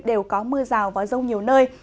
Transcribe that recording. đều có mưa rào và rông nhiều nơi